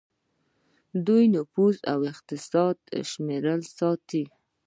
دوی د نفوس او اقتصاد شمیرې ساتي.